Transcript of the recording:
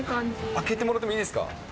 開けてもらってもいいですか。